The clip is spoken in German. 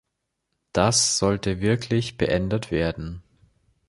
Das sollte wirklich beendet werden.